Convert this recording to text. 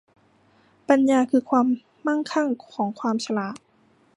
ปัญญาคือความมั่งคั่งของความฉลาด